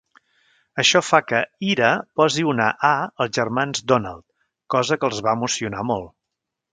Això fa que Ira posi una A als germans Donald, cosa que els va emocionar molt.